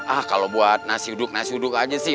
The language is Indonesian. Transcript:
ah kalau buat nasi uduk nasi uduk aja sih